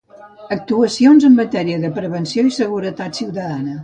Actuacions en matèria de prevenció i seguretat ciutadana